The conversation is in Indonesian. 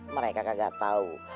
mereka gak tau